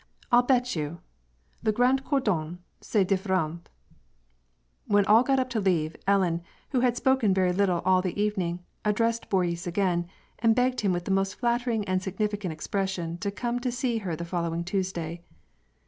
" I'll bet you. Le grand eordofiy c^est different" When all got up to leave, Ellen, who had spoken very little all the evening, addressed Boris again, and begged him with the most flattering and significant expression to come to see her the following Tuesday.